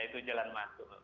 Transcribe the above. itu jalan masuk